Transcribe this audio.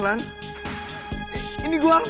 sebelum semua tutup